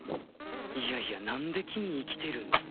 いやいや何で君生きてるの？